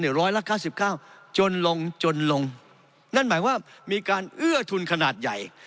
หรือร้อยละ๙๙จนลงจนลงนั่นหมายว่ามีการเอื้อทุนขนาดใหญ่